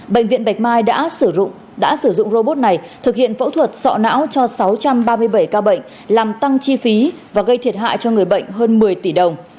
bệnh viện bạch mai đã sử dụng robot này thực hiện phẫu thuật sọ não cho sáu trăm ba mươi bảy ca bệnh làm tăng chi phí và gây thiệt hại cho người bệnh hơn một mươi tỷ đồng